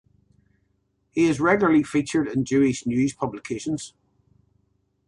He is regularly featured in Jewish news publications.